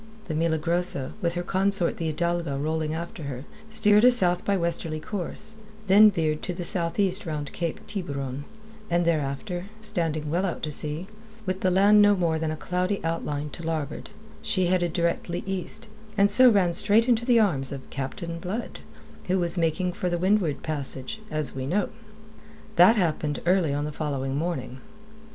The Milagrosa, with her consort the Hidalga rolling after her, steered a south by westerly course, then veered to the southeast round Cape Tiburon, and thereafter, standing well out to sea, with the land no more than a cloudy outline to larboard, she headed directly east, and so ran straight into the arms of Captain Blood, who was making for the Windward Passage, as we know. That happened early on the following morning.